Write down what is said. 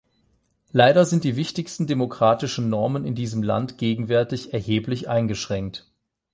Leider sind die wichtigsten demokratischen Normen in diesem Land gegenwärtig erheblich eingeschränkt.